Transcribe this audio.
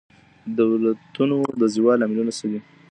د دولتونو د زوال لاملونه څه دي؟